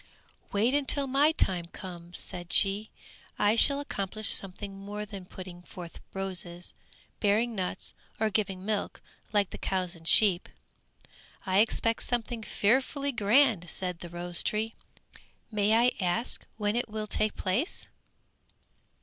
"Wait, until my time comes," said she, "I shall accomplish something more than putting forth roses, bearing nuts, or giving milk, like the cows and sheep!" "I expect something fearfully grand," said the rose tree, "may I ask when it will take place?"